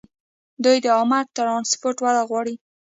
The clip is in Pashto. دوی د عامه ټرانسپورټ وده غواړي.